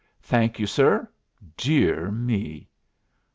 Thank you, sir. Dear me!"